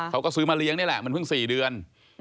เขาก็ซื้อมาเลี้ยงนี่แหละมันเพิ่ง๔เดือน